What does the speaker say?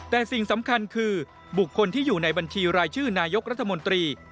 แต่สิ่งสำคัญคือบุคคลที่อยู่ในบัญชีรายชื่อนายกรัฐมนตรี